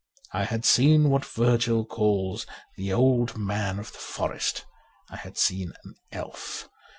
I had seen what Virgil calls the Old Man of the Forest : I had seen an elf.